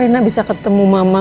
reina bisa ketemu mama